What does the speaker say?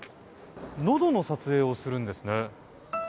のどの撮影をするんですね。